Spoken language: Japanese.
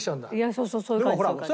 そうそうそういう感じ。